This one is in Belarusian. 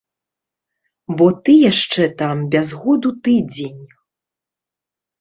Бо ты яшчэ там без году тыдзень.